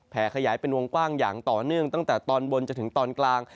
ขยายเป็นวงกว้างอย่างต่อเนื่องตั้งแต่ตอนบนจนถึงตอนกลาง